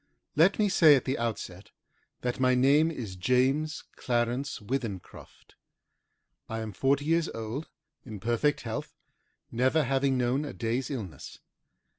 Let me say at the outset that my name is James Clarence Withencroft. I am forty years old, in perfect health, never having known a day's illness.